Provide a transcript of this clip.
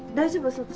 そっち。